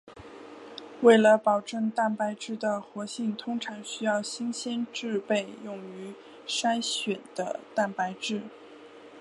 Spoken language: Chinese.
为了保证蛋白质的活性通常需要新鲜制备用于筛选的蛋白质。